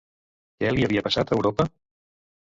Què li havia passat a Europa?